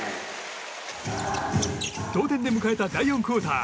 同点で迎えた第４クオーター。